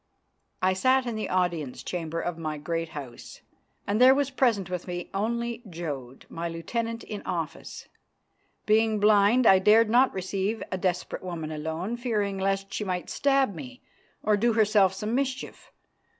I sat in the audience chamber of my Great House, and there was present with me only Jodd, my lieutenant in office. Being blind, I dared not receive a desperate woman alone, fearing lest she might stab me or do herself some mischief.